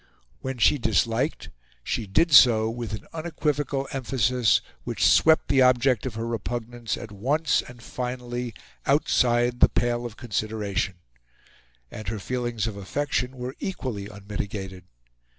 When she disliked she did so with an unequivocal emphasis which swept the object of her repugnance at once and finally outside the pale of consideration; and her feelings of affection were equally unmitigated.